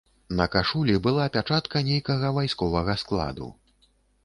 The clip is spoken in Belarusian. На кашулі была пячатка нейкага вайсковага складу.